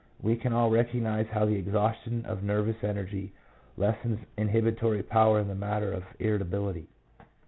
We can all recognize how the exhaustion of nervous energy lessens inhibitory power in the matter of irritability.